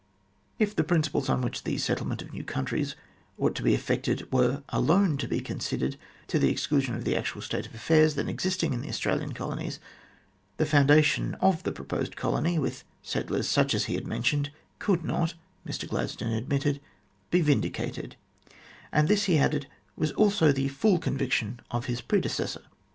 If the principles on which the settlement of new countries ought to be effected were alone to be con sidered, to the exclusion of the actual state of affairs then existing in the Australian Colonies, the foundation of the proposed colony, with settlers such as he had mentioned, could not, Mr Gladstone admitted, be vindicated, and this, he added, was also the full conviction of his predecessor.